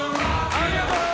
ありがとう！